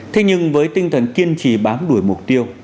thế nhưng với tinh thần kiên trì bám đuổi mục tiêu